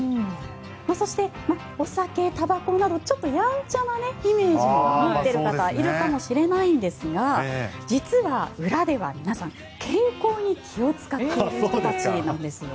そして、お酒、たばこなどちょっとやんちゃなイメージも持っている方いるかもしれないんですが実は裏では皆さん健康に気を使っている人たちなんですよ。